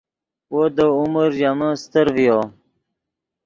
وو دے عمر ژے من استر ڤیو